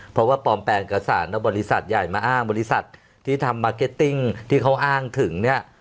เพราะว่าปลอมแปลงเอกสารแล้วบริษัทใหญ่มาอ้างบริษัทที่ทำมาร์เก็ตติ้งที่เขาอ้างถึงเนี่ย